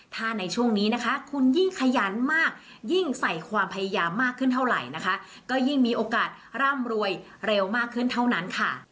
ถ้าในช่วงนี้นะคะคุณยิ่งขยันมากยิ่งใส่ความพยายามมากขึ้นเท่าไหร่นะคะก็ยิ่งมีโอกาสร่ำรวยเร็วมากขึ้นเท่านั้นค่ะ